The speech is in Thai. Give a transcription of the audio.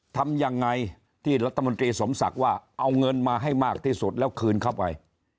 ทำยังไงที่รัฐมนตรีสมศักดิ์ว่าเอาเงินมาให้มากที่สุดแล้วคืนเข้าไป